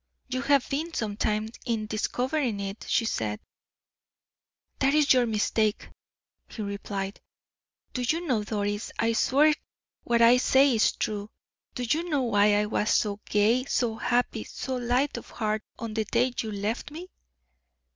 "You have been some time in discovering it," she said. "That is your mistake," he replied; "do you know, Doris, I swear what I am saying is true. Do you know why I was so gay, so happy, so light of heart on the day you left me?